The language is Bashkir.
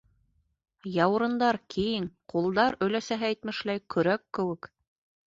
Яурындар киң, ҡулдар, өләсәһе әйтмешләй, көрәк кеүек.